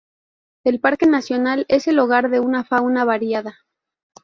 El parque nacional es el hogar de una fauna variada.